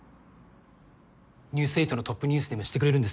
「ニュース８」のトップニュースにでもしてくれるんですか？